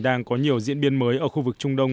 đang có nhiều diễn biến mới ở khu vực trung đông